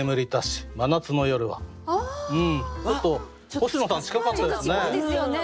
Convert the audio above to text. ちょっと星野さん近かったですね。